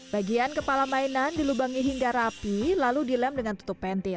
bagian kepala mainan dilubangi hingga rapi lalu dilem dengan tutup pentil